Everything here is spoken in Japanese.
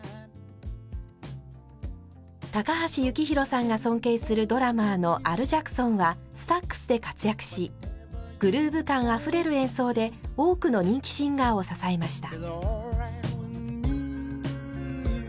高橋幸宏さんが尊敬するドラマーのアル・ジャクソンはスタックスで活躍しグルーブ感あふれる演奏で多くの人気シンガーを支えました。